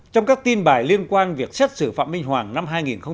trong các tin bài liên quan việc xét xử phạm minh hoàng năm hai nghìn một mươi bảy